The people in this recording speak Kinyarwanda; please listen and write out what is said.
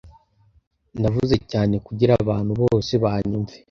Navuze cyane kugirango abantu bose banyumve